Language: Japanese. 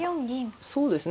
そうですね。